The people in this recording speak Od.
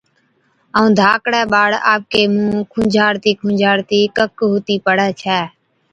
ائُون ڌاڪڙَي ٻاڙ آپڪَي مُونه کُنجھاڙتِي کُنجھاڙتِي ڪَڪ هُتِي پڙَي ڇَي۔